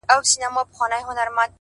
دا سر به د منصور غوندي و دار ته ور وړم _